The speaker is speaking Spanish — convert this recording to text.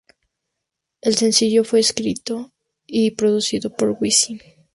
El sencillo fue escrito y producido por Wisin.